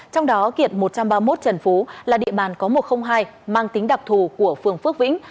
trong đó kiệt một trăm ba mươi một trần phú là địa bàn có một trăm linh hai mang tính đặc thù của phường phước vĩnh